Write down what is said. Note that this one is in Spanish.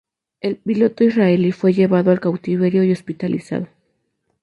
El piloto israelí fue llevado al cautiverio y hospitalizado.